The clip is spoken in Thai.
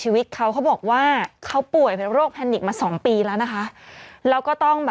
หนูว่าชอบเขาตั้งแต่ดูฮอร์โมน